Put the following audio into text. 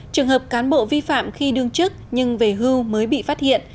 trường hợp cán bộ vi phạm khi đương chức nhưng về hưu mới bị phát hiện